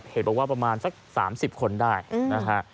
เหตุบอกว่าประมาณสัก๓๐คนได้นะฮะ